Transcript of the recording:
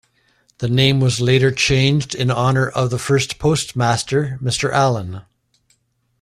The name was later changed in honour of the first postmaster, Mr. Allen.